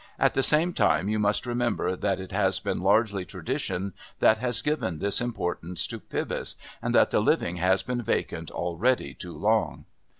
At the same time you must remember that it has been largely tradition that has given this importance to Pybus, and that the living has been vacant already too long."